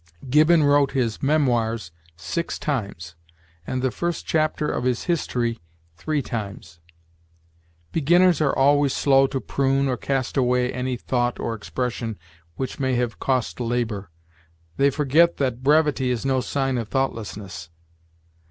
Gibbon wrote his 'Memoirs' six times, and the first chapter of his 'History' three times. Beginners are always slow to prune or cast away any thought or expression which may have cost labor. They forget that brevity is no sign of thoughtlessness.